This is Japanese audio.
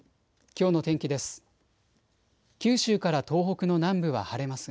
きょうの天気です。